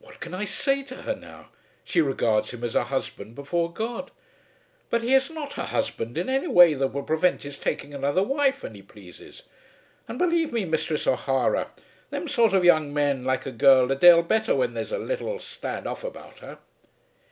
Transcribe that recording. "What can I say to her now? She regards him as her husband before God." "But he is not her husband in any way that would prevent his taking another wife an' he plases. And, believe me, Misthress O'Hara, them sort of young men like a girl a dale better when there's a little 'Stand off' about her."